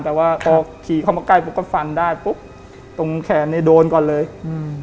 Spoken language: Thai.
แต่ว่าพอขี่เข้ามาใกล้ปุ๊บก็ฟันได้ปุ๊บตรงแขนเนี้ยโดนก่อนเลยอืม